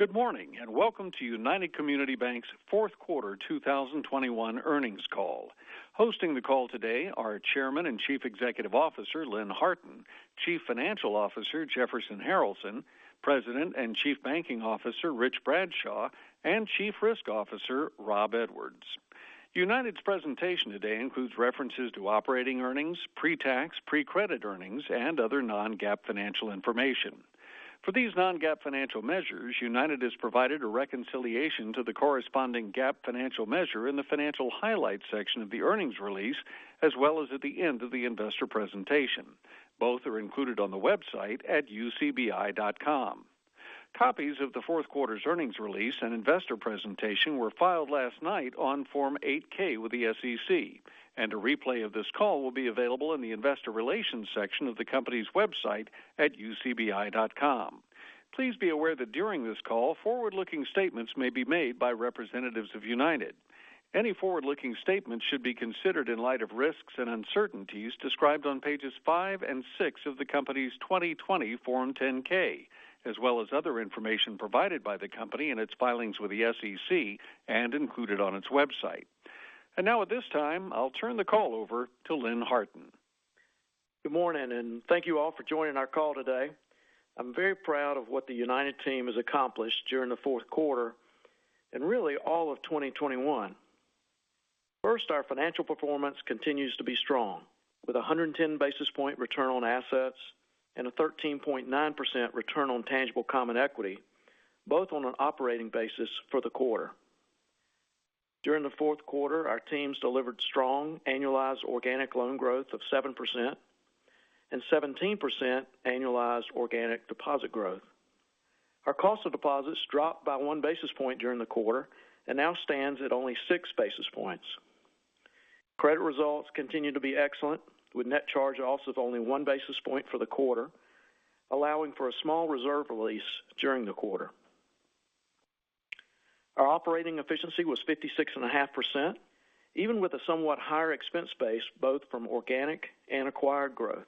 Good morning, and welcome to United Community Banks' Fourth Quarter 2021 Earnings Call. Hosting the call today are Chairman and Chief Executive Officer Lynn Harton, Chief Financial Officer Jefferson Harralson, President and Chief Banking Officer Rich Bradshaw, and Chief Risk Officer Rob Edwards. United's presentation today includes references to operating earnings, pre-tax, pre-credit earnings, and other non-GAAP financial information. For these non-GAAP financial measures, United has provided a reconciliation to the corresponding GAAP financial measure in the financial highlights section of the earnings release, as well as at the end of the investor presentation. Both are included on the website at ucbi.com. Copies of the fourth quarter's earnings release and investor presentation were filed last night on Form 8-K with the SEC, and a replay of this call will be available in the investor relations section of the company's website at ucbi.com. Please be aware that during this call, forward-looking statements may be made by representatives of United. Any forward-looking statements should be considered in light of risks and uncertainties described on pages five and six of the company's 2020 Form 10-K, as well as other information provided by the company in its filings with the SEC and included on its website. Now at this time, I'll turn the call over to Lynn Harton. Good morning, and thank you all for joining our call today. I'm very proud of what the United team has accomplished during the fourth quarter and really all of 2021. First, our financial performance continues to be strong, with a 110 basis point return on assets and a 13.9% return on tangible common equity, both on an operating basis for the quarter. During the fourth quarter, our teams delivered strong annualized organic loan growth of 7% and 17% annualized organic deposit growth. Our cost of deposits dropped by 1 basis point during the quarter and now stands at only 6 basis points. Credit results continue to be excellent, with net charge-offs of only 1 basis point for the quarter, allowing for a small reserve release during the quarter. Our operating efficiency was 56.5%, even with a somewhat higher expense base, both from organic and acquired growth.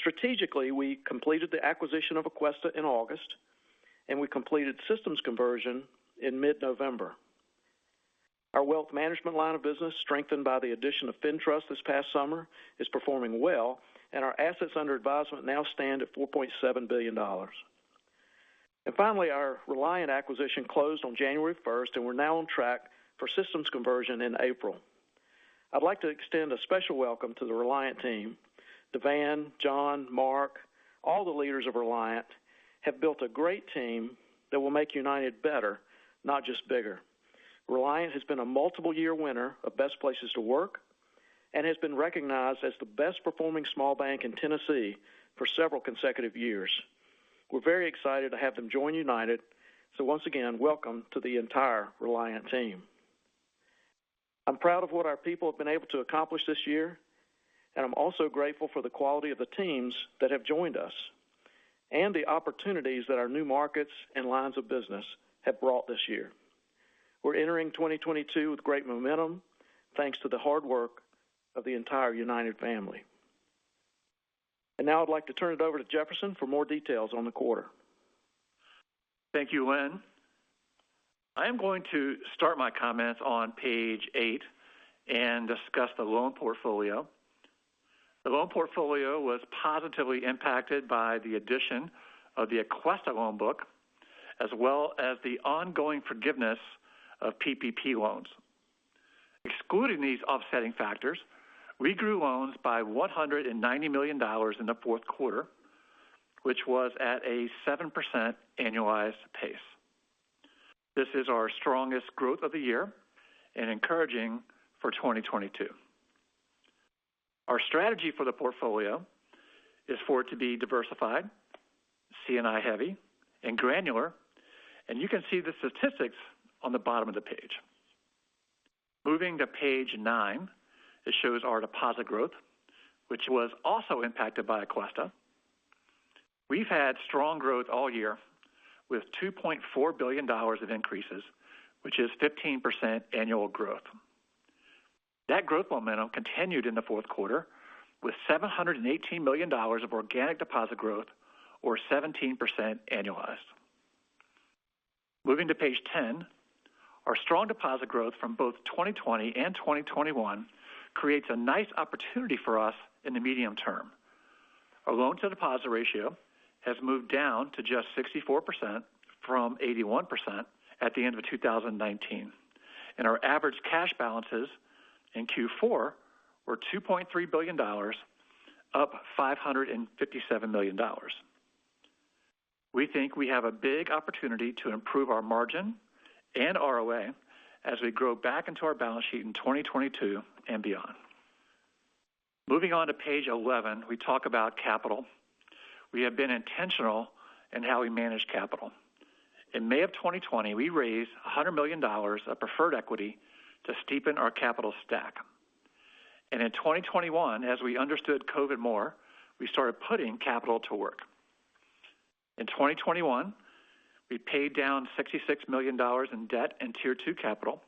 Strategically, we completed the acquisition of Aquesta in August, and we completed systems conversion in mid-November. Our wealth management line of business, strengthened by the addition of FinTrust this past summer, is performing well, and our assets under advisement now stand at $4.7 billion. Finally, our Reliant acquisition closed on January first, and we're now on track for systems conversion in April. I'd like to extend a special welcome to the Reliant team. DeVan, John, Mark, all the leaders of Reliant have built a great team that will make United better, not just bigger. Reliant has been a multiple year winner of Best Places to Work and has been recognized as the best performing small bank in Tennessee for several consecutive years. We're very excited to have them join United. Once again, welcome to the entire Reliant team. I'm proud of what our people have been able to accomplish this year, and I'm also grateful for the quality of the teams that have joined us and the opportunities that our new markets and lines of business have brought this year. We're entering 2022 with great momentum, thanks to the hard work of the entire United family. Now I'd like to turn it over to Jefferson for more details on the quarter. Thank you, Lynn. I am going to start my comments on page eight and discuss the loan portfolio. The loan portfolio was positively impacted by the addition of the Aquesta loan book, as well as the ongoing forgiveness of PPP loans. Excluding these offsetting factors, we grew loans by $190 million in the fourth quarter, which was at a 7% annualized pace. This is our strongest growth of the year and encouraging for 2022. Our strategy for the portfolio is for it to be diversified, C&I heavy, and granular, and you can see the statistics on the bottom of the page. Moving to page nine, it shows our deposit growth, which was also impacted by Aquesta. We've had strong growth all year with $2.4 billion of increases, which is 15% annual growth. That growth momentum continued in the fourth quarter with $718 million of organic deposit growth or 17% annualized. Moving to page 10, our strong deposit growth from both 2020 and 2021 creates a nice opportunity for us in the medium term. Our loan to deposit ratio has moved down to just 64% from 81% at the end of 2019, and our average cash balances in Q4 were $2.3 billion, up $557 million. We think we have a big opportunity to improve our margin and ROA as we grow back into our balance sheet in 2022 and beyond. Moving on to page 11, we talk about capital. We have been intentional in how we manage capital. In May 2020, we raised $100 million of preferred equity to steepen our capital stack. In 2021, as we understood COVID more, we started putting capital to work. In 2021, we paid down $66 million in debt and Tier 2 capital.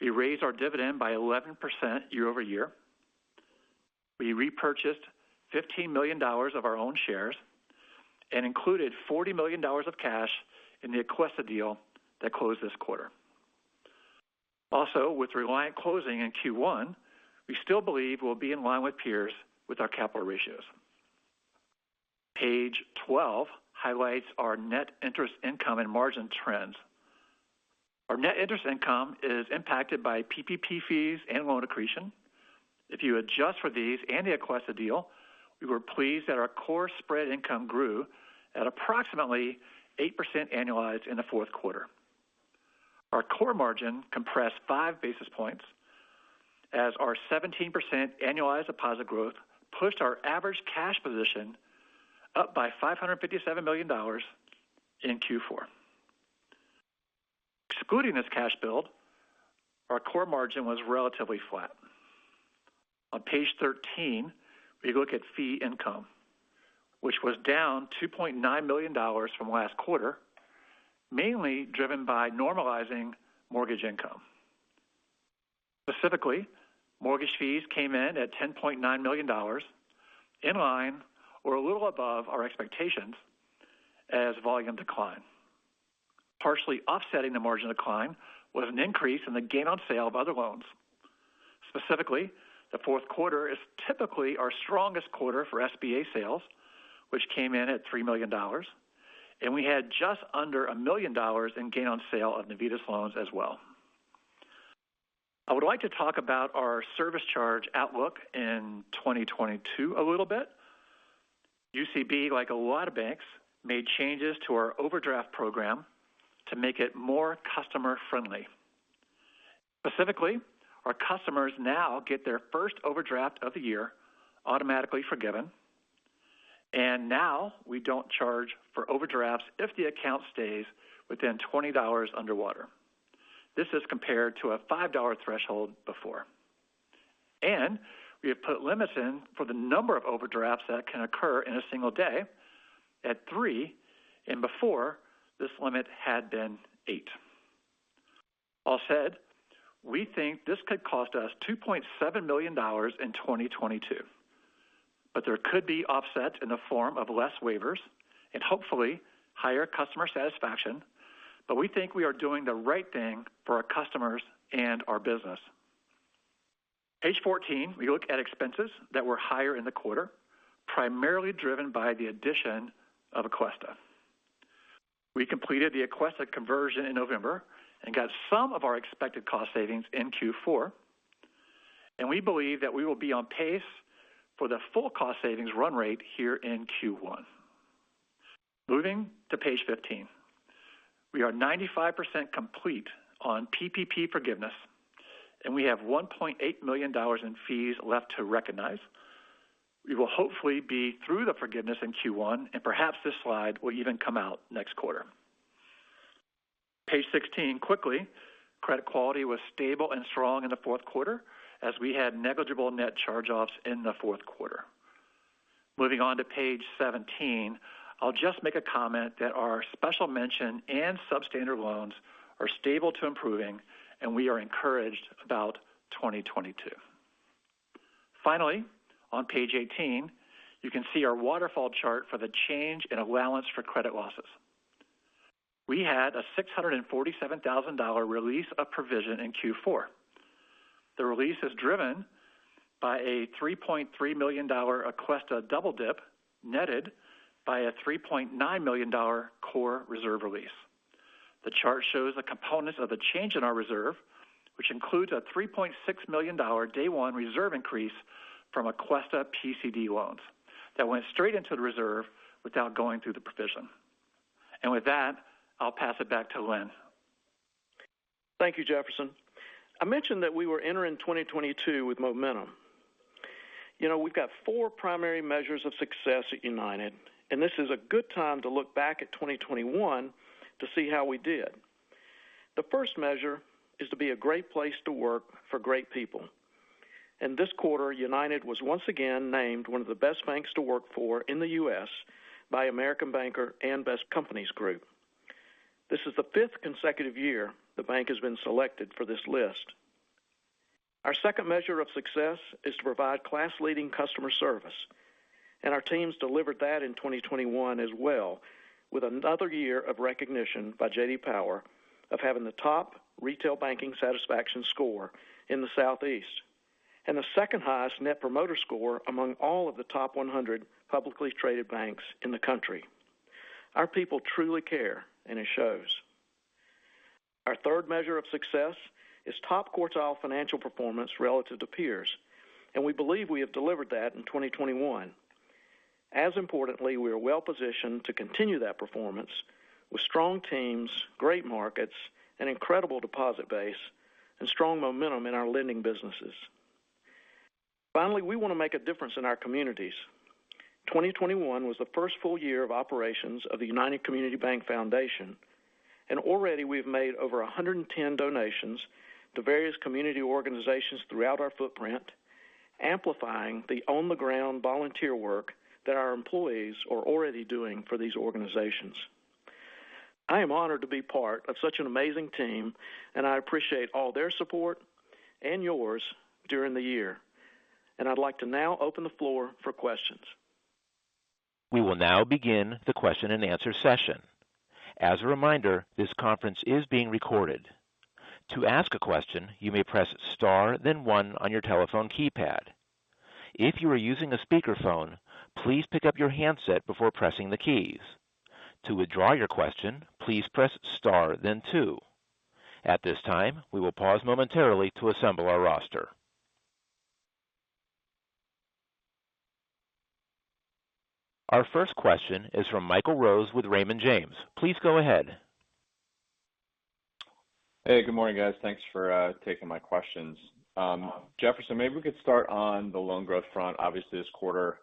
We raised our dividend by 11% year-over-year. We repurchased $15 million of our own shares and included $40 million of cash in the Aquesta deal that closed this quarter. Also, with Reliant closing in Q1, we still believe we'll be in line with peers with our capital ratios. Page 12 highlights our net interest income and margin trends. Our net interest income is impacted by PPP fees and loan accretion. If you adjust for these and the Aquesta deal, we were pleased that our core spread income grew at approximately 8% annualized in the fourth quarter. Our core margin compressed 5 basis points as our 17% annualized deposit growth pushed our average cash position up by $557 million in Q4. Excluding this cash build, our core margin was relatively flat. On page 13, we look at fee income, which was down $2.9 million from last quarter, mainly driven by normalizing mortgage income. Specifically, mortgage fees came in at $10.9 million, in line or a little above our expectations as volume declined. Partially offsetting the margin decline was an increase in the gain on sale of other loans. Specifically, the fourth quarter is typically our strongest quarter for SBA sales, which came in at $3 million, and we had just under $1 million in gain on sale of Navitas loans as well. I would like to talk about our service charge outlook in 2022 a little bit. UCB, like a lot of banks, made changes to our overdraft program to make it more customer-friendly. Specifically, our customers now get their first overdraft of the year automatically forgiven, and now we don't charge for overdrafts if the account stays within $20 underwater. This is compared to a $5 threshold before. We have put limits in for the number of overdrafts that can occur in a single day at three, and before, this limit had been eight. All said, we think this could cost us $2.7 million in 2022, but there could be offsets in the form of less waivers and hopefully higher customer satisfaction. We think we are doing the right thing for our customers and our business. Page 14, we look at expenses that were higher in the quarter, primarily driven by the addition of Aquesta. We completed the Aquesta conversion in November and got some of our expected cost savings in Q4, and we believe that we will be on pace for the full cost savings run rate here in Q1. Moving to page 15. We are 95% complete on PPP forgiveness, and we have $1.8 million in fees left to recognize. We will hopefully be through the forgiveness in Q1, and perhaps this slide will even come out next quarter. Page 16, quickly. Credit quality was stable and strong in the fourth quarter as we had negligible net charge-offs in the fourth quarter. Moving on to page 17. I'll just make a comment that our special mention and substandard loans are stable to improving, and we are encouraged about 2022. Finally, on page 18, you can see our waterfall chart for the change in allowance for credit losses. We had a $647,000 release of provision in Q4. The release is driven by a $3.3 million Aquesta double dip netted by a $3.9 million core reserve release. The chart shows the components of the change in our reserve, which includes a $3.6 million day one reserve increase from Aquesta PCD loans that went straight into the reserve without going through the provision. With that, I'll pass it back to Lynn. Thank you, Jefferson Harralson. I mentioned that we were entering 2022 with momentum. You know, we've got four primary measures of success at United, and this is a good time to look back at 2021 to see how we did. The first measure is to be a great place to work for great people. This quarter, United was once again named one of the best banks to work for in the U.S. by American Banker and Best Companies Group. This is the fifth consecutive year the bank has been selected for this list. Our second measure of success is to provide class-leading customer service, and our teams delivered that in 2021 as well, with another year of recognition by J.D. Power. power of having the top retail banking satisfaction score in the Southeast and the second highest Net Promoter Score among all of the top 100 publicly traded banks in the country. Our people truly care, and it shows. Our third measure of success is top quartile financial performance relative to peers, and we believe we have delivered that in 2021. As importantly, we are well positioned to continue that performance with strong teams, great markets, an incredible deposit base, and strong momentum in our lending businesses. Finally, we want to make a difference in our communities. 2021 was the first full year of operations of the United Community Bank Foundation, and already we've made over 110 donations to various community organizations throughout our footprint, amplifying the on-the-ground volunteer work that our employees are already doing for these organizations. I am honored to be part of such an amazing team, and I appreciate all their support and yours during the year. I'd like to now open the floor for questions. We will now begin the question-and-answer session. As a reminder, this conference is being recorded. To ask a question, you may press star, then one on your telephone keypad. If you are using a speakerphone, please pick up your handset before pressing the keys. To withdraw your question, please press star then two. At this time, we will pause momentarily to assemble our roster. Our first question is from Michael Rose with Raymond James. Please go ahead. Hey, good morning, guys. Thanks for taking my questions. Jefferson, maybe we could start on the loan growth front. Obviously this quarter,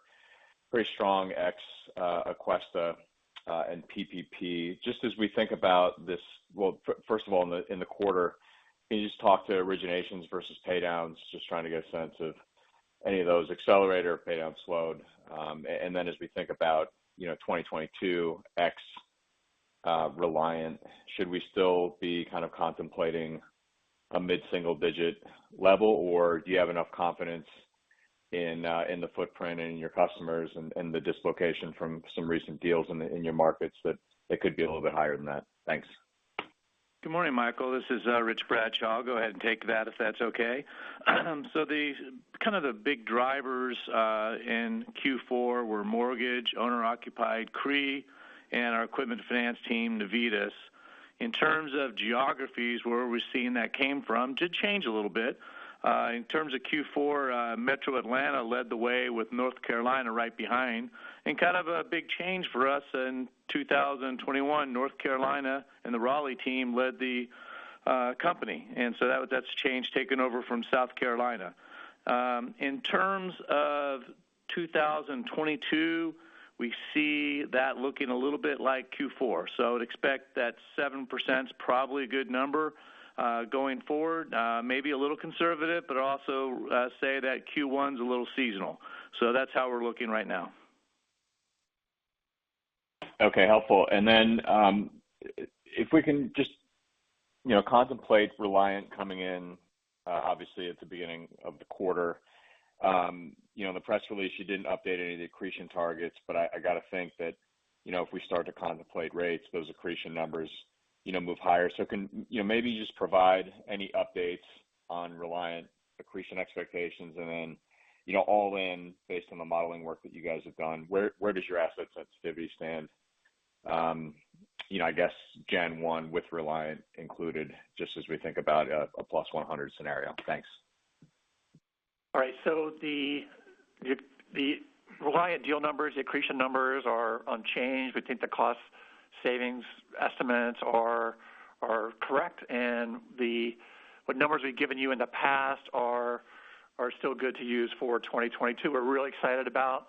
pretty strong ex Aquesta and PPP. Well, first of all, in the quarter, can you just talk to originations versus paydowns, just trying to get a sense of any of those accelerated paydowns slowed. And then as we think about, you know, 2022 ex Reliant, should we still be kind of contemplating a mid-single digit level, or do you have enough confidence in the footprint and in your customers and the dislocation from some recent deals in your markets that it could be a little bit higher than that? Thanks. Good morning, Michael. This is Rich Bradshaw. I'll go ahead and take that if that's okay. Kind of the big drivers in Q4 were mortgage, owner-occupied CRE, and our equipment finance team, Navitas. In terms of geographies, where we're seeing that came from did change a little bit. In terms of Q4, Metro Atlanta led the way with North Carolina right behind. Kind of a big change for us in 2021, North Carolina and the Raleigh team led the company. That's change taken over from South Carolina. In terms of 2022, we see that looking a little bit like Q4. I would expect that 7% is probably a good number going forward. Maybe a little conservative, but also say that Q1 is a little seasonal. That's how we're looking right now. Okay. Helpful. If we can just, you know, contemplate Reliant coming in, obviously at the beginning of the quarter. You know, in the press release, you didn't update any of the accretion targets, but I gotta think that, you know, if we start to contemplate rates, those accretion numbers, you know, move higher. You know, maybe just provide any updates on Reliant accretion expectations and then, you know, all in based on the modeling work that you guys have done, where does your asset sensitivity stand? You know, I guess in one with Reliant included just as we think about a +100 scenario. Thanks. All right. The Reliant deal numbers, the accretion numbers are unchanged. We think the cost savings estimates are correct, and the numbers we've given you in the past are still good to use for 2022. We're really excited about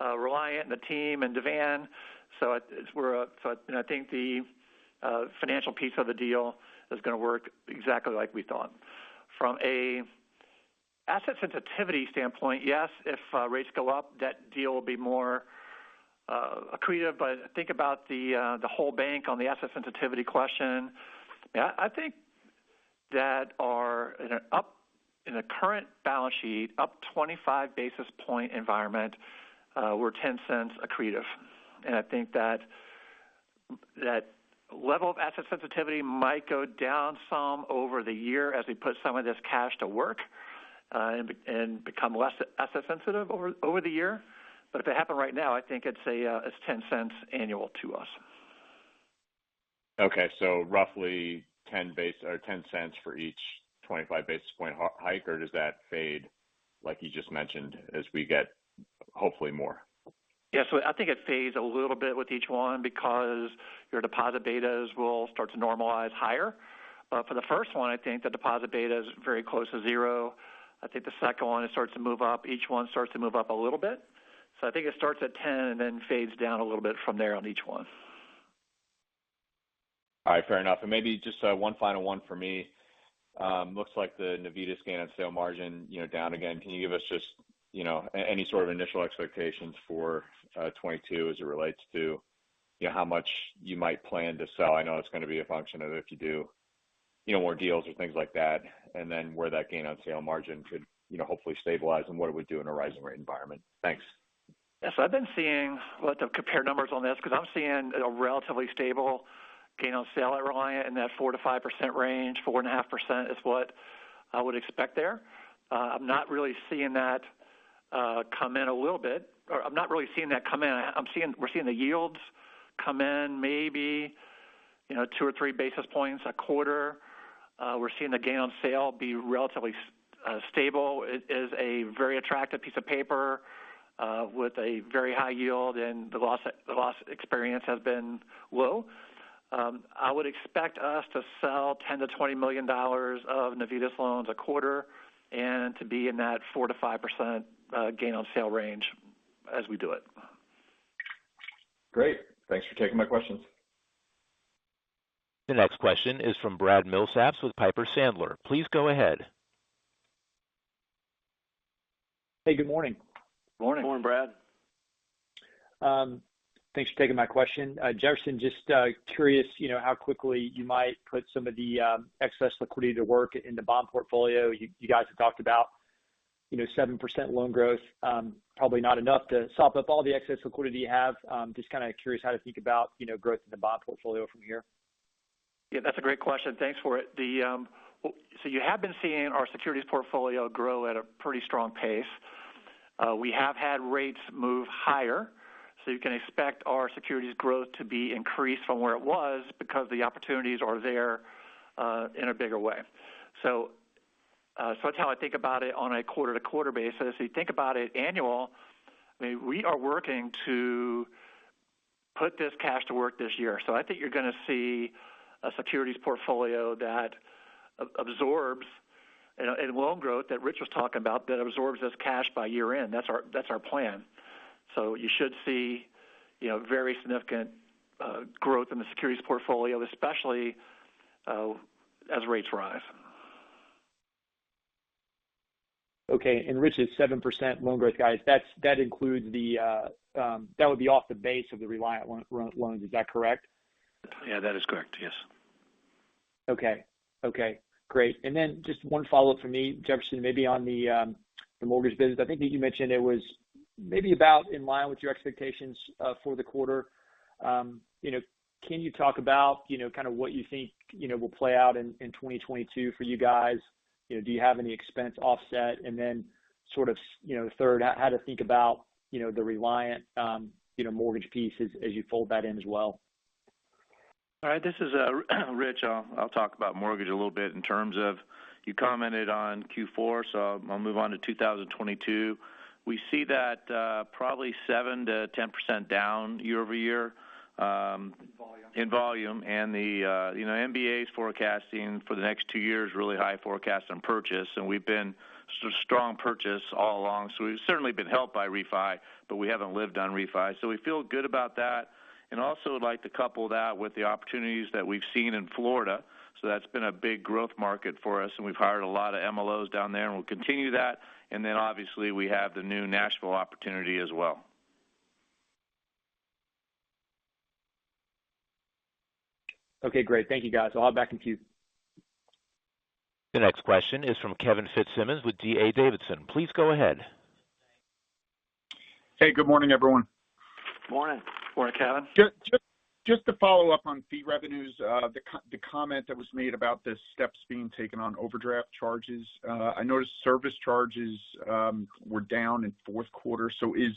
Reliant and the team and DeVan. I think the financial piece of the deal is gonna work exactly like we thought. From an asset sensitivity standpoint, yes, if rates go up, that deal will be more accretive. Think about the whole bank on the asset sensitivity question. I think that in a current balance sheet, up 25 basis point environment, we're $0.10 accretive. I think that level of asset sensitivity might go down some over the year as we put some of this cash to work and become less asset sensitive over the year. If it happened right now, I think it's $0.10 annual to us. Okay. Roughly 10 basis points or $0.10 For each 25 basis point hike or does that fade, like you just mentioned, as we get hopefully more. Yeah. I think it fades a little bit with each one because your deposit betas will start to normalize higher. For the first one, I think the deposit beta is very close to zero. I think the second one, it starts to move up. Each one starts to move up a little bit. I think it starts at 10 and then fades down a little bit from there on each one. All right. Fair enough. Maybe just one final one for me. Looks like the Navitas gain on sale margin, you know, down again. Can you give us just, you know, any sort of initial expectations for 2022 as it relates to, you know, how much you might plan to sell? I know it's gonna be a function of if you do, you know, more deals or things like that, and then where that gain on sale margin could, you know, hopefully stabilize and what it would do in a rising rate environment. Thanks. Yes. I've been seeing. We'll have to compare numbers on this because I'm seeing a relatively stable gain on sale at Reliant in that 4%-5% range. 4.5% is what I would expect there. I'm not really seeing that come in a little bit. I'm not really seeing that come in. We're seeing the yields come in maybe, you know, 2 basis points or 3 basis points a quarter. We're seeing the gain on sale be relatively stable. It is a very attractive piece of paper with a very high yield, and the loss experience has been low. I would expect us to sell $10 million-$20 million of Navitas loans a quarter and to be in that 4%-5% gain on sale range as we do it. Great. Thanks for taking my questions. The next question is from Brad Milsaps with Piper Sandler. Please go ahead. Hey, good morning. Morning. Morning, Brad. Thanks for taking my question. Jefferson, just curious, you know, how quickly you might put some of the excess liquidity to work in the bond portfolio. You guys have talked about, you know, 7% loan growth, probably not enough to sop up all the excess liquidity you have. Just kind of curious how to think about, you know, growth in the bond portfolio from here. Yeah, that's a great question. Thanks for it. You have been seeing our securities portfolio grow at a pretty strong pace. We have had rates move higher, so you can expect our securities growth to be increased from where it was because the opportunities are there, in a bigger way. That's how I think about it on a quarter-to-quarter basis. If you think about it annually, I mean, we are working to put this cash to work this year. I think you're gonna see a securities portfolio that absorbs and loan growth that Rich was talking about, that absorbs this cash by year-end. That's our plan. You should see, you know, very significant growth in the securities portfolio, especially, as rates rise. Okay. Rich, it's 7% loan growth, guys. That includes that would be off the base of the Reliant loans. Is that correct? Yeah, that is correct. Yes. Okay. Okay, great. Then just one follow-up from me, Jefferson, maybe on the mortgage business. I think that you mentioned it was maybe about in line with your expectations for the quarter. You know, can you talk about, you know, kind of what you think, you know, will play out in 2022 for you guys? You know, do you have any expense offset? Then sort of, you know, third, how to think about, you know, the Reliant mortgage piece as you fold that in as well. All right. This is Rich. I'll talk about mortgage a little bit in terms of you commented on Q4, so I'll move on to 2022. We see that probably 7%-10% down year-over-year. In volume... in volume. The you know MBA's forecasting for the next two years really high forecast on purchase, and we've been strong on purchase all along. We've certainly been helped by refinance, but we haven't lived on refi. We feel good about that. We also like to couple that with the opportunities that we've seen in Florida. That's been a big growth market for us, and we've hired a lot of MLOs down there, and we'll continue that. Obviously we have the new Nashville opportunity as well. Okay, great. Thank you, guys. I'll back to you. The next question is from Kevin Fitzsimmons with D.A. Davidson. Please go ahead. Hey, good morning, everyone. Morning. Morning, Kevin. Just to follow up on fee revenues, the comment that was made about the steps being taken on overdraft charges. I noticed service charges were down in fourth quarter. Is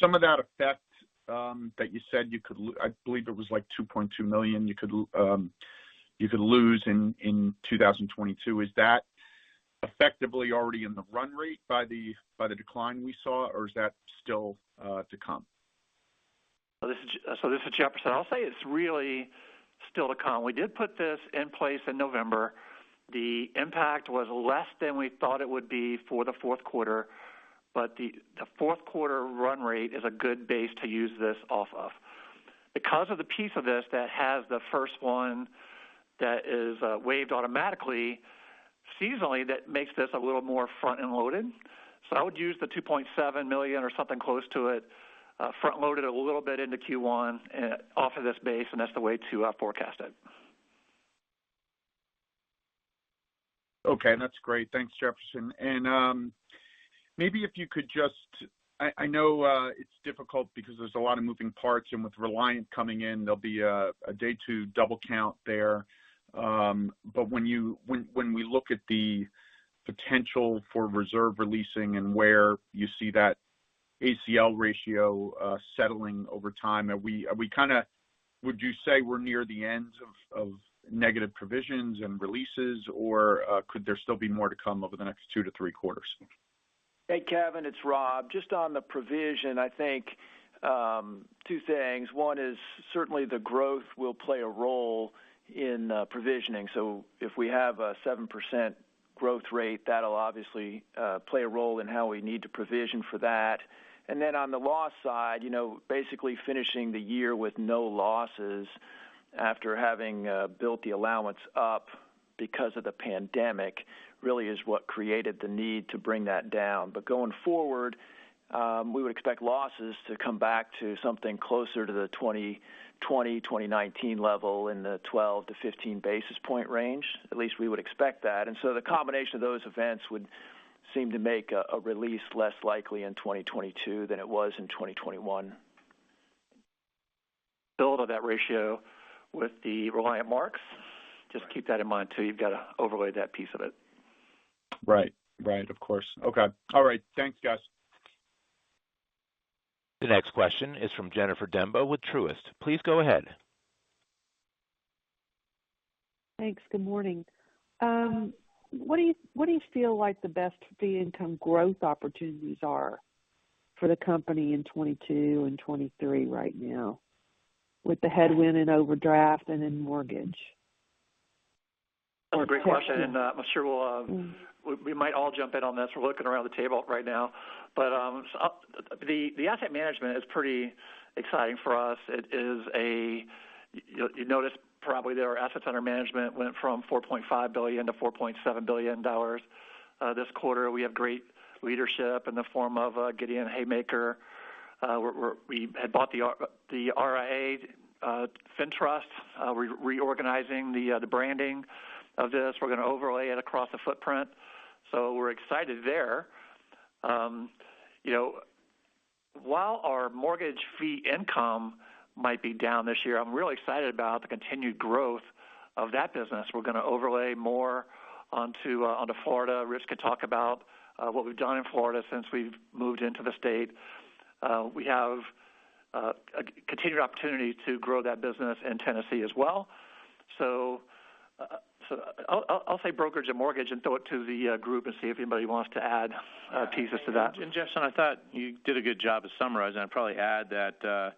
some of that effect that you said you could lose, I believe it was like $2.2 million, in 2022 effectively already in the run rate by the decline we saw? Is that still to come? This is Jefferson. I'll say it's really still to come. We did put this in place in November. The impact was less than we thought it would be for the fourth quarter, but the fourth quarter run rate is a good base to use this off of. Because of the piece of this that has the first one that is waived automatically, seasonally that makes this a little more front end loaded. I would use the $2.7 million or something close to it, front load it a little bit into Q1, off of this base, and that's the way to forecast it. Okay. That's great. Thanks, Jefferson. Maybe if you could just, I know it's difficult because there's a lot of moving parts, and with Reliant coming in, there'll be a day two double count there. But when we look at the potential for reserve releasing and where you see that ACL ratio settling over time, would you say we're near the ends of negative provisions and releases, or could there still be more to come over the next two to three quarters? Hey, Kevin, it's Rob. Just on the provision, I think, two things. One is certainly the growth will play a role in provisioning. If we have a 7% growth rate, that'll obviously play a role in how we need to provision for that. On the loss side, you know, basically finishing the year with no losses after having built the allowance up because of the pandemic, really is what created the need to bring that down. Going forward, we would expect losses to come back to something closer to the 2020, 2019 level in the 12 to 15 basis point range. At least we would expect that. The combination of those events would seem to make a release less likely in 2022 than it was in 2021. Build on that ratio with the Reliant marks. Just keep that in mind too. You've got to overlay that piece of it. Right. Of course. Okay. All right. Thanks, guys. The next question is from Jennifer Demba with Truist. Please go ahead. Thanks. Good morning. What do you feel like the best fee income growth opportunities are for the company in 2022 and 2023 right now with the headwind in overdraft and in mortgage? That's a great question. I'm sure we might all jump in on this. We're looking around the table right now. The asset management is pretty exciting for us. It is. You probably noticed that our assets under management went from $4.5 billion to $4.7 billion this quarter. We have great leadership in the form of Gideon Haymaker. We had bought the RIA, FinTrust. We're reorganizing the branding of this. We're gonna overlay it across the footprint. We're excited there. You know, while our mortgage fee income might be down this year, I'm really excited about the continued growth of that business. We're gonna overlay more onto Florida. Rich could talk about what we've done in Florida since we've moved into the state. We have a continued opportunity to grow that business in Tennessee as well. I'll say brokerage and mortgage and throw it to the group and see if anybody wants to add pieces to that. Jefferson, I thought you did a good job of summarizing. I'd probably add that,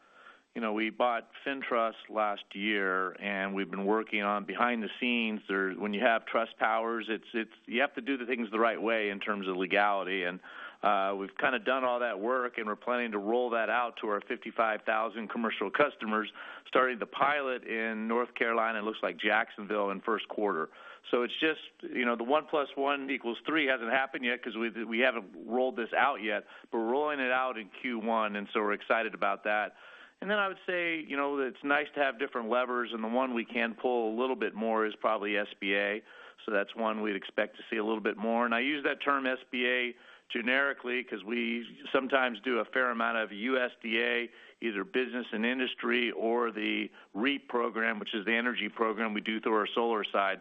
you know, we bought FinTrust last year, and we've been working on behind the scenes or when you have trust powers, it's you have to do the things the right way in terms of legality. We've kind of done all that work, and we're planning to roll that out to our 55 commercial customers, starting to pilot in North Carolina. It looks like Jacksonville in first quarter. It's just, you know, the 1+1=3 hasn't happened yet because we haven't rolled this out yet. We're rolling it out in Q1, and so we're excited about that. Then I would say, you know, it's nice to have different levers, and the one we can pull a little bit more is probably SBA. That's one we'd expect to see a little bit more. I use that term SBA generically because we sometimes do a fair amount of USDA, either business and industry or the REAP program, which is the energy program we do through our solar side.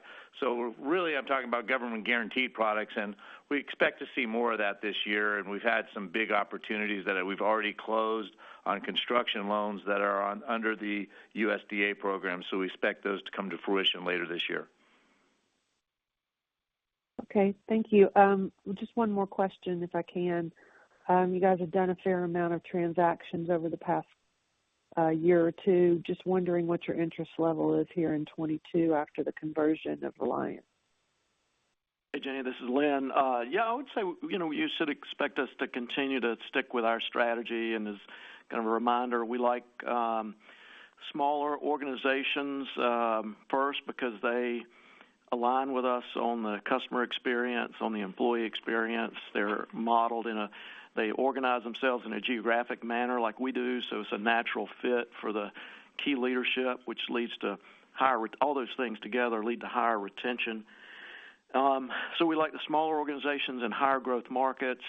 Really, I'm talking about government guaranteed products, and we expect to see more of that this year. We've had some big opportunities that we've already closed on construction loans that are under the USDA program. We expect those to come to fruition later this year. Okay. Thank you. Just one more question, if I can. You guys have done a fair amount of transactions over the past year or two. Just wondering what your interest level is here in 2022 after the conversion of Reliant. Hey, Jenny, this is Lynn. Yeah, I would say, you know, you should expect us to continue to stick with our strategy. As kind of a reminder, we like, smaller organizations, first because they align with us on the customer experience, on the employee experience. They're modeled in a geographic manner like we do. It's a natural fit for the key leadership, which leads to higher retention. All those things together lead to higher retention. We like the smaller organizations in higher growth markets.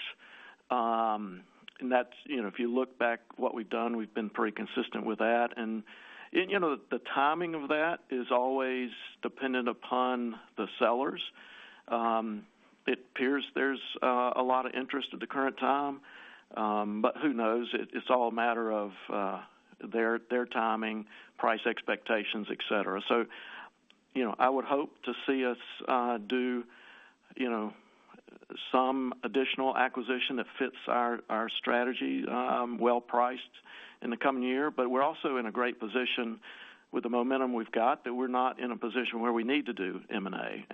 That's, you know, if you look back what we've done, we've been pretty consistent with that. You know, the timing of that is always dependent upon the sellers. It appears there's a lot of interest at the current time, but who knows? It's all a matter of their timing, price expectations, et cetera. You know, I would hope to see us do, you know, some additional acquisition that fits our strategy, well-priced in the coming year. We're also in a great position with the momentum we've got that we're not in a position where we need to do M&A.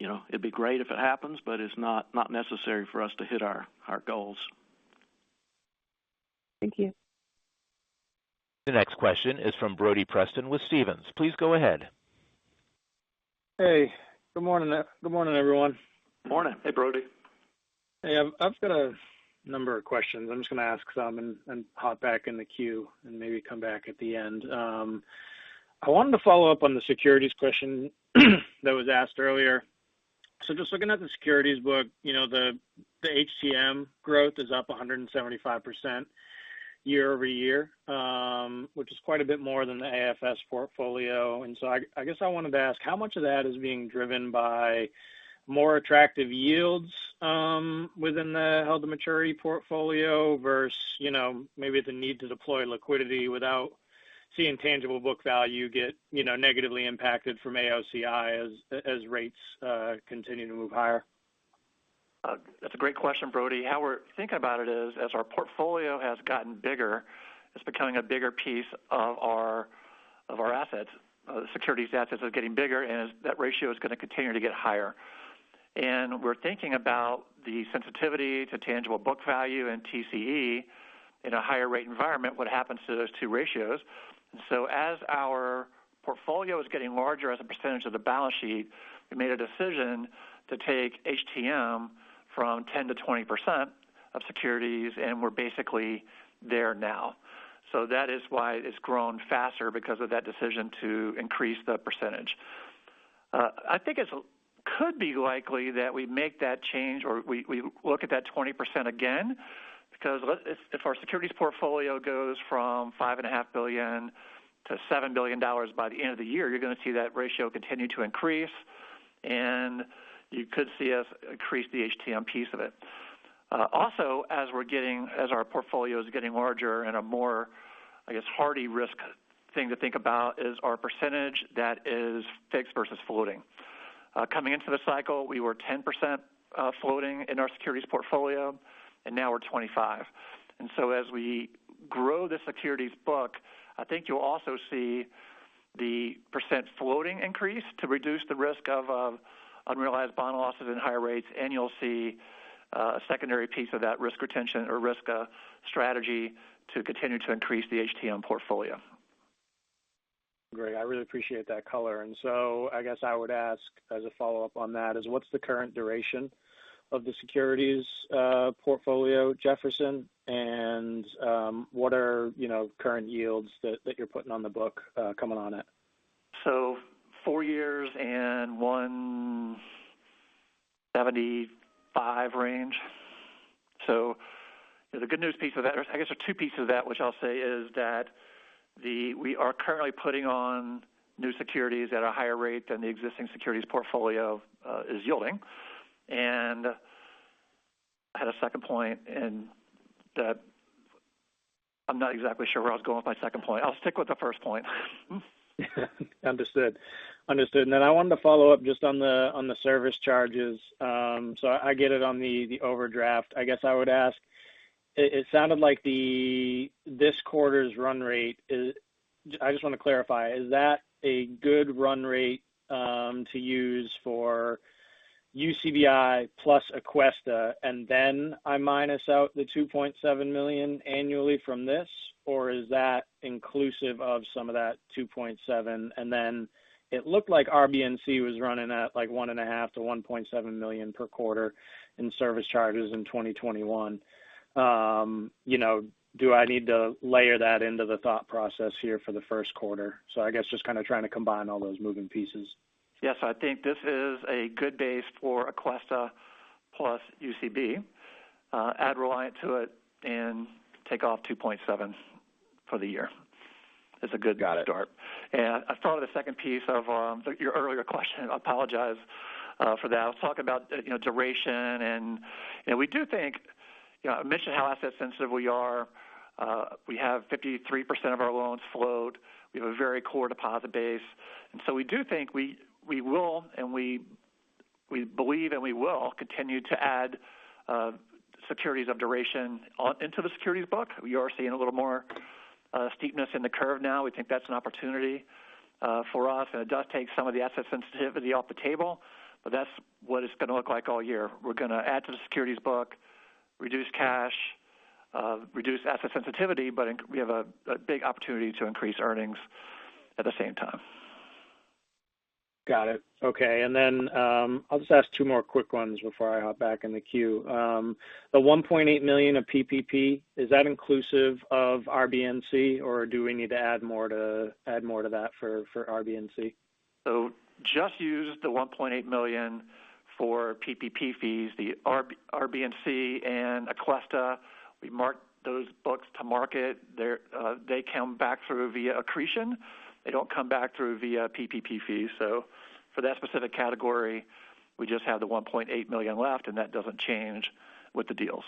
You know, it'd be great if it happens, but it's not necessary for us to hit our goals. Thank you. The next question is from Brody Preston with Stephens. Please go ahead. Hey, good morning. Good morning, everyone. Morning. Hey, Brody. Hey, I've got a number of questions. I'm just gonna ask some and hop back in the queue and maybe come back at the end. I wanted to follow up on the securities question that was asked earlier. Just looking at the securities book, you know, the HTM growth is up 175% year-over-year, which is quite a bit more than the AFS portfolio. I guess I wanted to ask how much of that is being driven by more attractive yields within the held to maturity portfolio versus, you know, maybe the need to deploy liquidity without seeing tangible book value get, you know, negatively impacted from AOCI as rates continue to move higher? That's a great question, Brody. How we're thinking about it is, as our portfolio has gotten bigger, it's becoming a bigger piece of our assets. The securities assets are getting bigger, and that ratio is gonna continue to get higher. We're thinking about the sensitivity to tangible book value and TCE in a higher rate environment, what happens to those two ratios. As our portfolio is getting larger as a percentage of the balance sheet, we made a decision to take HTM from 10%-20% of securities, and we're basically there now. That is why it's grown faster because of that decision to increase the percentage. I think it could be likely that we make that change or we look at that 20% again, because if our securities portfolio goes from $5.5 billion to $7 billion by the end of the year, you're gonna see that ratio continue to increase, and you could see us increase the HTM piece of it. Also, as our portfolio is getting larger and a more, I guess, harder risk thing to think about is our percentage that is fixed versus floating. Coming into the cycle, we were 10% floating in our securities portfolio, and now we're 25%. As we grow the securities book, I think you'll also see the percent floating increase to reduce the risk of unrealized bond losses and higher rates, and you'll see a secondary piece of that risk retention or risk strategy to continue to increase the HTM portfolio. Great. I really appreciate that color. I guess I would ask as a follow-up on that is what's the current duration of the securities portfolio, Jefferson? What are, you know, current yields that you're putting on the book coming on it? Four years and 175 range. The good news piece of that, or I guess there are two pieces of that, which I'll say is that we are currently putting on new securities at a higher rate than the existing securities portfolio is yielding. I had a second point in that. I'm not exactly sure where I was going with my second point. I'll stick with the first point. Understood. I wanted to follow up just on the service charges. So I get it on the overdraft. I guess I would ask, it sounded like this quarter's run rate is. I just want to clarify, is that a good run rate to use for UCBI plus Aquesta, and then I minus out the $2.7 million annually from this? Or is that inclusive of some of that $2.7 million? It looked like RBNC was running at, like, $1.5 million-$1.7 million per quarter in service charges in 2021. You know, do I need to layer that into the thought process here for the first quarter? I guess just kind of trying to combine all those moving pieces. Yes, I think this is a good base for Aquesta plus UCB. Add Reliant to it and take off 2.7 for the year. It's a good Got it. I thought of the second piece of your earlier question. I apologize for that. I was talking about, you know, duration. You know, we do think, you know, I mentioned how asset sensitive we are. We have 53% of our loans float. We have a very core deposit base. So we do think we will continue to add securities of duration into the securities book. We are seeing a little more steepness in the curve now. We think that's an opportunity for us, and it does take some of the asset sensitivity off the table, but that's what it's gonna look like all year. We're gonna add to the securities book, reduce cash, reduce asset sensitivity, but we have a big opportunity to increase earnings at the same time. Got it. Okay. I'll just ask two more quick ones before I hop back in the queue. The $1.8 million of PPP, is that inclusive of RBNC, or do we need to add more to that for RBNC? Just use the $1.8 million for PPP fees. The RBNC and Aquesta, we mark those books to market. They're, they come back through via accretion. They don't come back through via PPP fees. For that specific category, we just have the $1.8 million left, and that doesn't change with the deals.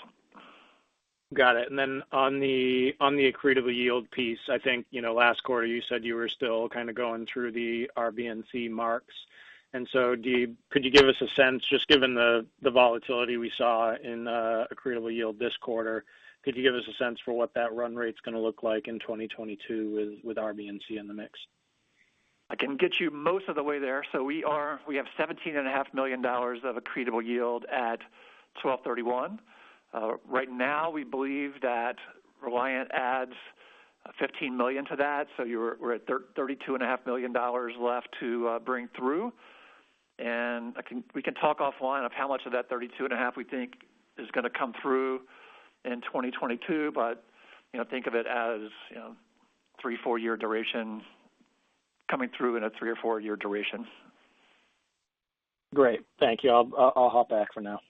Got it. Then on the accretable yield piece, I think, you know, last quarter you said you were still kind of going through the RBNC marks. Could you give us a sense, just given the volatility we saw in accretable yield this quarter, could you give us a sense for what that run rate's gonna look like in 2022 with RBNC in the mix? I can get you most of the way there. We have $17.5 million of accretable yield at 12/31. Right now, we believe that Reliant adds $15 million to that. We're at $32.5 million left to bring through. We can talk offline of how much of that $32.5 million we think is gonna come through in 2022. You know, think of it as you know, three- or four-year duration coming through in a three- or four-year duration. Great. Thank you. I'll hop back for now.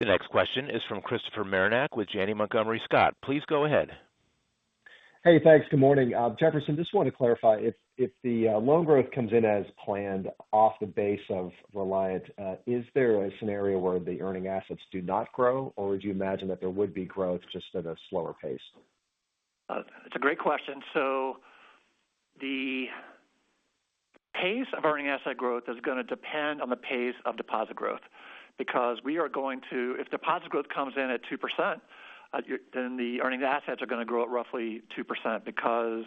The next question is from Christopher Marinac with Janney Montgomery Scott. Please go ahead. Hey, thanks. Good morning. Jefferson, just wanted to clarify. If the loan growth comes in as planned off the base of Reliant, is there a scenario where the earning assets do not grow, or would you imagine that there would be growth just at a slower pace? It's a great question. The pace of earning asset growth is gonna depend on the pace of deposit growth. If deposit growth comes in at 2%, then the earning assets are gonna grow at roughly 2% because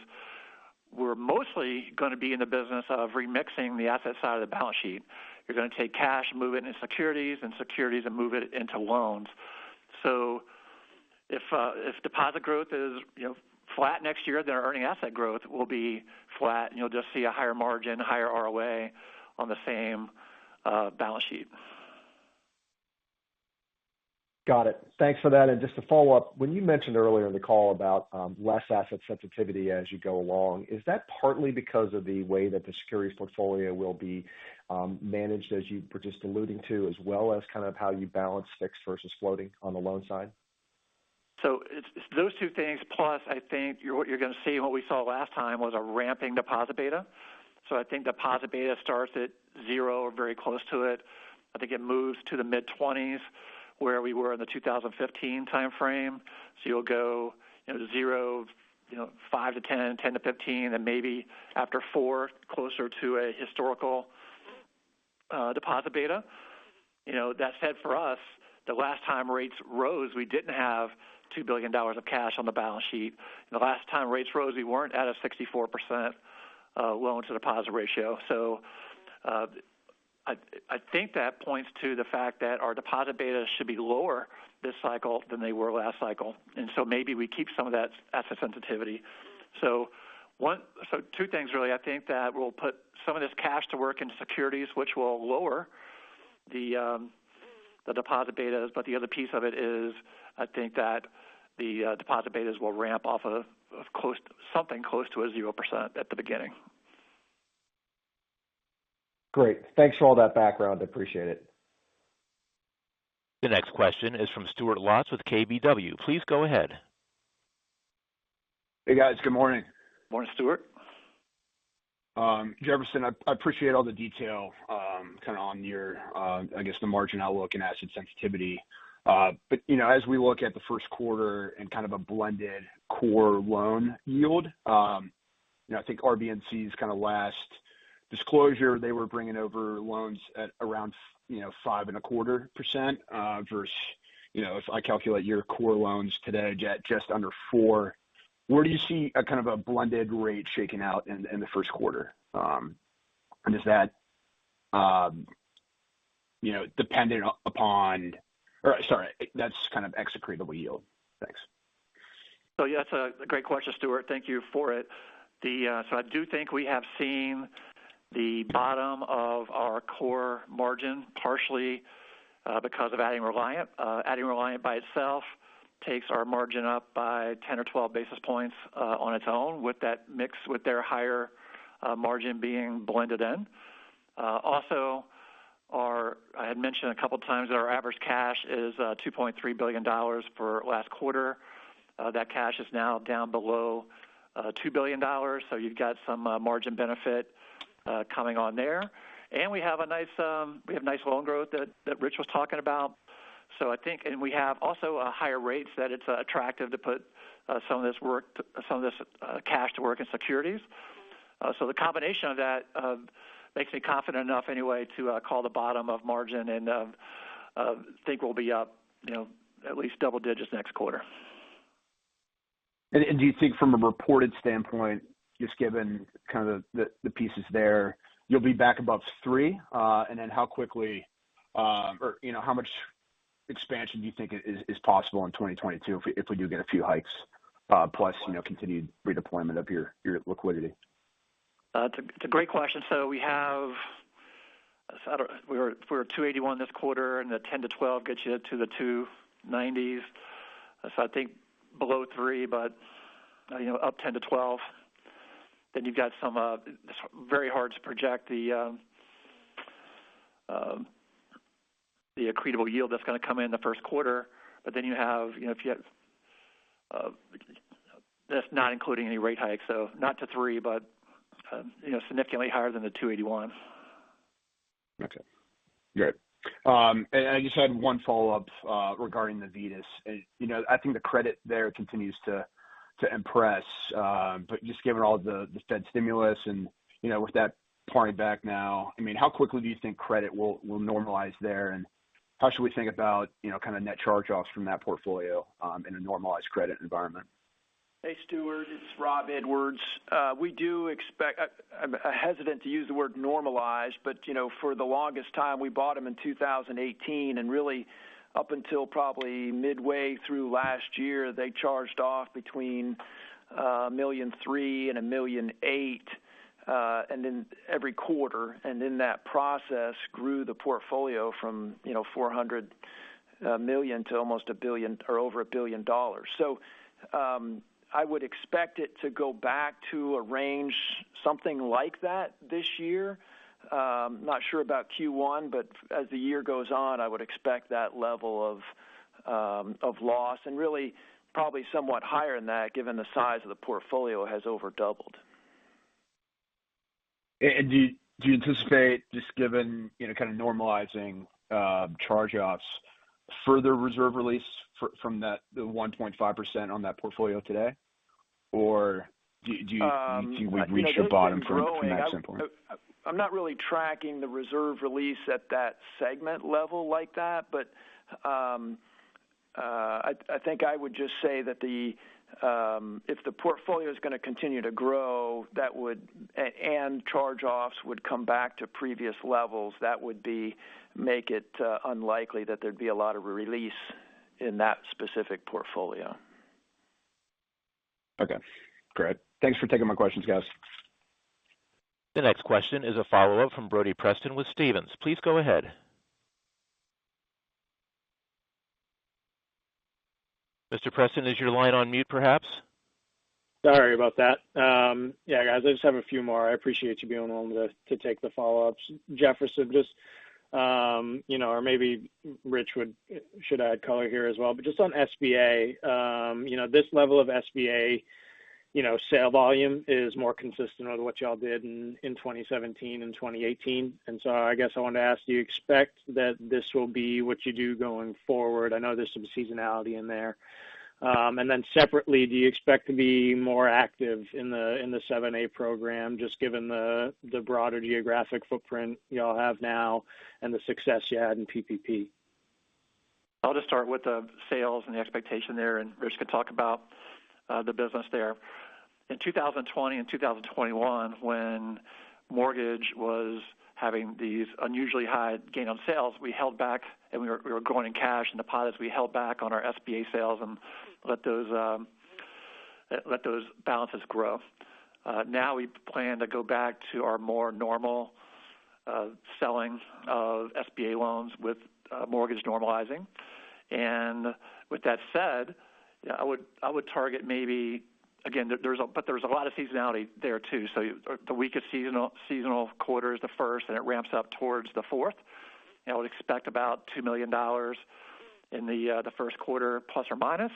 we're mostly gonna be in the business of remixing the asset side of the balance sheet. You're gonna take cash, move it into securities, and move it into loans. If deposit growth is, you know, flat next year, then our earning asset growth will be flat, and you'll just see a higher margin, higher ROA on the same balance sheet. Got it. Thanks for that. Just to follow up, when you mentioned earlier in the call about less asset sensitivity as you go along, is that partly because of the way that the securities portfolio will be managed, as you were just alluding to, as well as kind of how you balance fixed versus floating on the loan side? It's those two things, plus I think you're gonna see and what we saw last time was a ramping deposit beta. I think deposit beta starts at 0% or very close to it. I think it moves to the mid-20s%, where we were in the 2015 timeframe. You'll go, you know, 0%, you know, 5%-10%, 10%-15%, and maybe after four, closer to a historical deposit beta. You know, that said, for us, the last time rates rose, we didn't have $2 billion of cash on the balance sheet. The last time rates rose, we weren't at a 64% loan to deposit ratio. I think that points to the fact that our deposit betas should be lower this cycle than they were last cycle. Maybe we keep some of that asset sensitivity. Two things really. I think that we'll put some of this cash to work in securities which will lower the deposit betas. The other piece of it is, I think that the deposit betas will ramp off of something close to 0% at the beginning. Great. Thanks for all that background. I appreciate it. The next question is from Stuart Lotz with KBW. Please go ahead. Hey, guys. Good morning. Morning, Stuart. Jefferson, I appreciate all the detail, kind of on your, I guess the margin outlook and asset sensitivity. You know, as we look at the first quarter and kind of a blended core loan yield, you know, I think RBNC's kind of last disclosure, they were bringing over loans at around 5.25%, versus, you know, if I calculate your core loans today at just under 4%. Where do you see a kind of a blended rate shaking out in the first quarter? Is that dependent upon or sorry, that's kind of ex-accretable yield. Thanks. Yeah, it's a great question, Stuart. Thank you for it. I do think we have seen the bottom of our core margin, partially because of adding Reliant. Adding Reliant by itself takes our margin up by 10 or 12 basis points on its own with that mix with their higher margin being blended in. I had mentioned a couple of times that our average cash is $2.3 billion for last quarter. That cash is now down below $2 billion, so you've got some margin benefit coming on there. We have nice loan growth that Rich was talking about. I think and we have also higher rates that it's attractive to put some of this cash to work in securities. The combination of that makes me confident enough anyway to call the bottom of margin and think we'll be up, you know, at least double digits next quarter. Do you think from a reported standpoint, just given kind of the pieces there, you'll be back above three? Then how quickly, or you know, how much expansion do you think is possible in 2022 if we do get a few hikes, plus you know, continued redeployment of your liquidity? It's a great question. I don't know, we were at 2.81% this quarter, and the 10 to 12 gets you to the 2.90s. I think below 3%, but you know, up 10 to 12. You've got some, it's very hard to project the accretable yield that's gonna come in the first quarter. You have, you know, that's not including any rate hikes, so not to 3%, but you know, significantly higher than the 2.81%. Okay, great. And I just had one follow-up regarding the Navitas. You know, I think the credit there continues to impress. But just given all the Fed stimulus and, you know, with that pointing back now, I mean, how quickly do you think credit will normalize there? And how should we think about, you know, kind of net charge-offs from that portfolio in a normalized credit environment? Hey, Stuart, it's Rob Edwards. We do expect. I'm hesitant to use the word normalize, but you know, for the longest time, we bought them in 2018, and really up until probably midway through last year, they charged off between $1.3 million and $1.8 million every quarter. In that process grew the portfolio from you know, $400 million to almost a billion or over a billion dollars. I would expect it to go back to a range something like that this year. Not sure about Q1, but as the year goes on, I would expect that level of loss and really probably somewhat higher than that given the size of the portfolio has over doubled. Do you anticipate, just given, you know, kind of normalizing charge-offs, further reserve release from that 1.5% on that portfolio today? Or do you think we've reached the bottom from that standpoint? You know, I think it's been growing. I'm not really tracking the reserve release at that segment level like that. I think I would just say that if the portfolio's gonna continue to grow and charge-offs would come back to previous levels, that would make it unlikely that there'd be a lot of release in that specific portfolio. Okay, great. Thanks for taking my questions, guys. The next question is a follow-up from Brody Preston with Stephens. Please go ahead. Mr. Preston, is your line on mute, perhaps? Sorry about that. Yeah, guys, I just have a few more. I appreciate you being willing to take the follow-ups. Jefferson, just, or maybe Rich should add color here as well. But just on SBA, this level of SBA sale volume is more consistent with what y'all did in 2017 and 2018. I guess I wanted to ask, do you expect that this will be what you do going forward? I know there's some seasonality in there. And then separately, do you expect to be more active in the 7(a) program just given the broader geographic footprint y'all have now and the success you had in PPP? I'll just start with the sales and the expectation there, and Rich could talk about the business there. In 2020 and 2021, when mortgage was having these unusually high gain on sales, we held back and we were growing in cash and deposits. We held back on our SBA sales and let those balances grow. Now we plan to go back to our more normal selling of SBA loans with mortgage normalizing. With that said, yeah, I would target maybe again, there's a but there's a lot of seasonality there too. The weakest seasonal quarter is the first and it ramps up towards the fourth. I would expect about $2 million in the first quarter, plus or minus.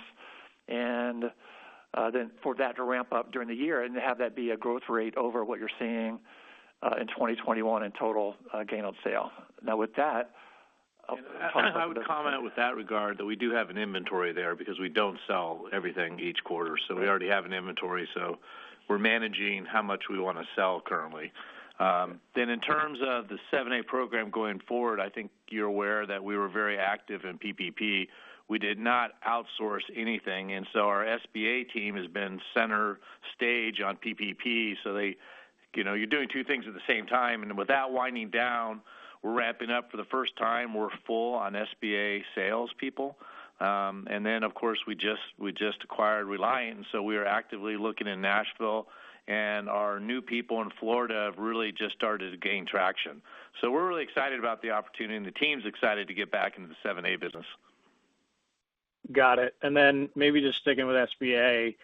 For that to ramp up during the year and have that be a growth rate over what you're seeing, in 2021 in total, gain on sale. Now with that I would comment with that regard that we do have an inventory there because we don't sell everything each quarter. We already have an inventory, so we're managing how much we wanna sell currently. In terms of the 7(a) program going forward, I think you're aware that we were very active in PPP. We did not outsource anything, and so our SBA team has been center stage on PPP. They, you know, you're doing two things at the same time. Without winding down, we're ramping up. For the first time, we're full on SBA salespeople. Of course, we just acquired Reliant, so we are actively looking in Nashville, and our new people in Florida have really just started to gain traction. We're really excited about the opportunity and the team's excited to get back into the seven-A business. Got it. Then maybe just sticking with SBA.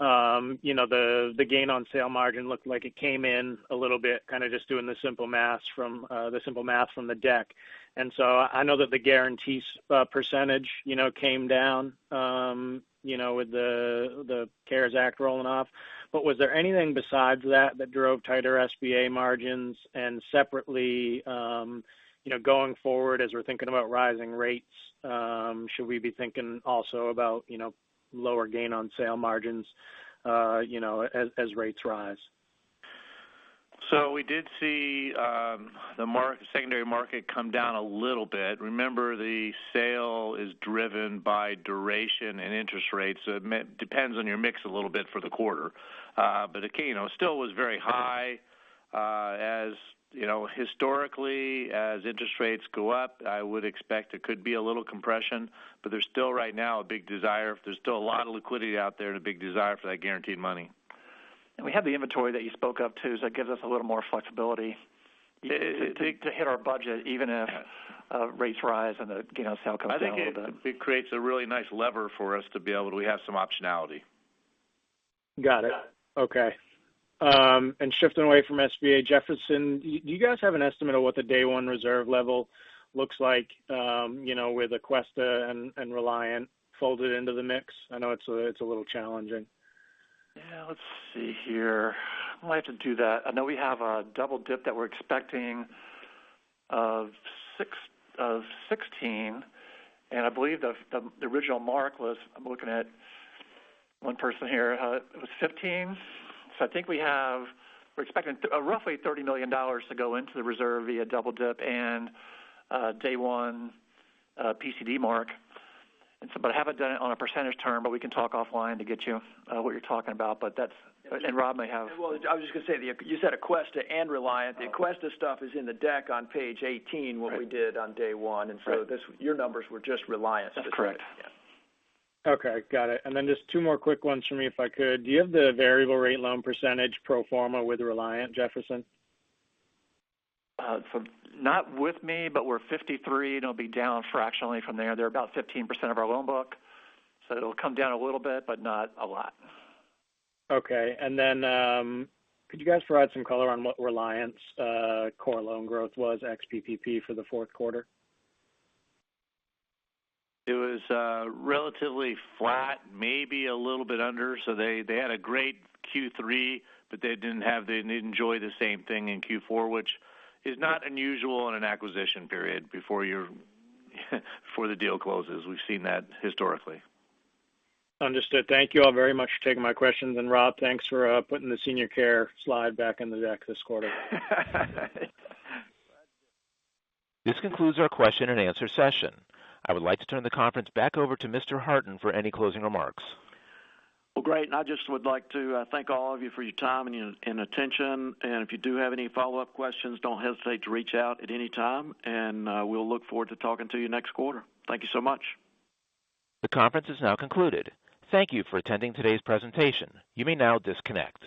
You know, the gain on sale margin looked like it came in a little bit, kind of just doing the simple math from the deck. I know that the guarantees percentage, you know, came down with the CARES Act rolling off. Was there anything besides that drove tighter SBA margins? Separately, you know, going forward as we're thinking about rising rates, should we be thinking also about, you know, lower gain on sale margins as rates rise? We did see, the secondary market come down a little bit. Remember, the sale is driven by duration and interest rates. It depends on your mix a little bit for the quarter. You know, still was very high. As you know, historically, as interest rates go up, I would expect there could be a little compression. There's still right now a big desire. There's still a lot of liquidity out there and a big desire for that guaranteed money. We have the inventory that you spoke of too, so it gives us a little more flexibility to hit our budget even if rates rise and the gain on sale comes down a little bit. I think it creates a really nice lever for us to be able to have some optionality. Got it. Okay. Shifting away from SBA, Jefferson, do you guys have an estimate of what the day one reserve level looks like, you know, with Aquesta and Reliant folded into the mix? I know it's a little challenging. Yeah. Let's see here. I might have to do that. I know we have a double dip that we're expecting of 16, and I believe the original mark was. I'm looking at one person here. It was 15. So I think we're expecting roughly $30 million to go into the reserve via double dip and day one PCD mark. But I haven't done it on a percentage term, but we can talk offline to get you what you're talking about. But that's. Rob may have Well, I was just gonna say, you said Aquesta and Reliant. The Aquesta stuff is in the deck on page 18, what we did on day one. Your numbers were just Reliant. That's correct. Yeah. Okay. Got it. Just two more quick ones for me, if I could. Do you have the variable rate loan percentage pro forma with Reliant, Jefferson? Not with me, but we're 53, and it'll be down fractionally from there. They're about 15% of our loan book. It'll come down a little bit, but not a lot. Okay. Could you guys provide some color on what Reliant's core loan growth was ex-PPP for the fourth quarter? It was relatively flat, maybe a little bit under. They had a great Q3, but they didn't enjoy the same thing in Q4, which is not unusual in an acquisition period before the deal closes. We've seen that historically. Understood. Thank you all very much for taking my questions. Rob, thanks for putting the senior care slide back in the deck this quarter. This concludes our question and answer session. I would like to turn the conference back over to Mr. Harton for any closing remarks. Well, great. I just would like to thank all of you for your time and attention. If you do have any follow-up questions, don't hesitate to reach out at any time, and we'll look forward to talking to you next quarter. Thank you so much. The conference is now concluded. Thank you for attending today's presentation. You may now disconnect.